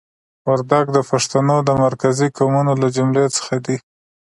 وردګ د پښتنو د مرکزي قومونو له جملې څخه دي.